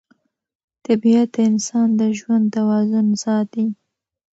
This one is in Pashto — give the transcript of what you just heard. طبیعت د انسان د ژوند توازن ساتي